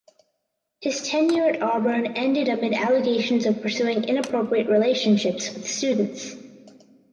His tenure at Auburn ended amid allegations of pursuing inappropriate relationships with students.